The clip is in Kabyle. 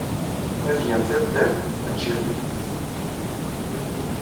Ma tgamt addal, ad tjehdemt.